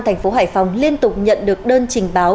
tp hcm liên tục nhận được đơn trình báo